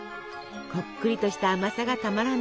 こっくりとした甘さがたまらない